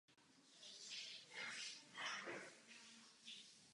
Oba návrhy jsou iniciativou pana Bondeho.